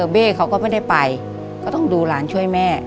เบ้เขาก็ไม่ได้ไปก็ต้องดูหลานช่วยแม่